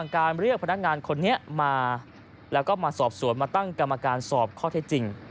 การเรียกพนักงานคนนี้มาแล้วก็มาสอบสวนมาตั้งกรรมการสอบข้อเท็จจริง